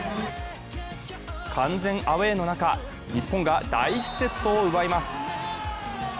完全アウェーの中、日本が第１セットを奪います。